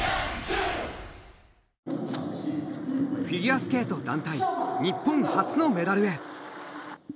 フィギュアスケート団体日本初のメダルへ！